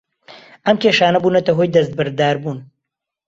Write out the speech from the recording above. ئەم کێشانە بوونەتە هۆی دەستبەرداربوون